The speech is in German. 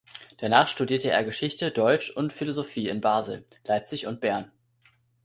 Danach studierte er Geschichte, Deutsch und Philosophie in Basel, Leipzig und Bern.